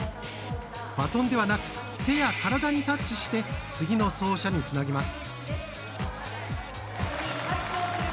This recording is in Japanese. バトンではなく手や体にタッチして次の走者に、つなぎます。